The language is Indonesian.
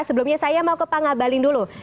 sebelumnya saya mau ke pak ngabalin dulu